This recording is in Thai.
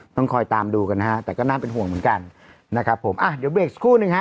ต้องคอยตามดูกันนะฮะแต่ก็น่าเป็นห่วงเหมือนกันนะครับผมอ่ะเดี๋ยวเบรกสักครู่หนึ่งฮะ